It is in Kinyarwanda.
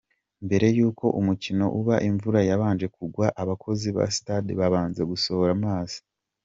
Mbere y'uko umukino uba imvura yabanje kugwa abakozi ba sitade babanza gusohora amazi.